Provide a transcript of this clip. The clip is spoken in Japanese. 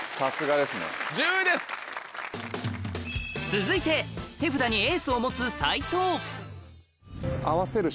続いて手札にエースを持つ斎藤合わせる